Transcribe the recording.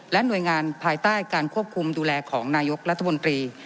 หน่วยงานภายใต้การควบคุมดูแลของนายกรัฐมนตรี